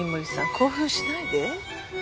興奮しないで。